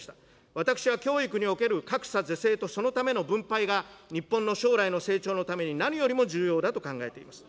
私は教育における格差是正とそのための分配が日本の将来の成長のために何よりも重要だと考えています。